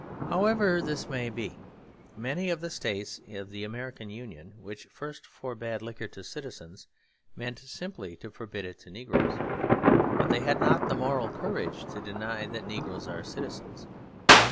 However this may be, many of the states of the American Union, which first forbade liquor to citizens, meant simply to forbid it to negroes. But they had not the moral courage to deny that negroes are citizens.